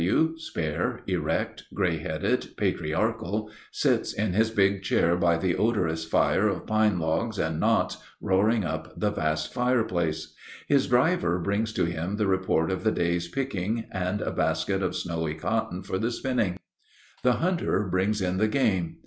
W., spare, erect, gray headed, patriarchal, sits in his big chair by the odorous fire of pine logs and knots roaring up the vast fireplace. His driver brings to him the report of the day's picking and a basket of snowy cotton for the spinning. The hunter brings in the game.